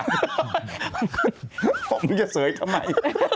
บอกมันอย่าเสยอีกทำไม